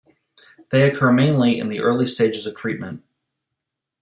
They occur mainly in the early stages of treatment.